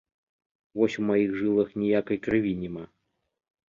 Вось у маіх жылах ніякай крыві няма.